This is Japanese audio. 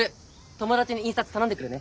友達に印刷頼んでくるね。